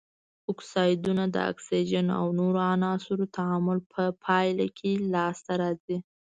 اکسایدونه د اکسیجن او نورو عناصرو تعامل په پایله کې لاس ته راځي.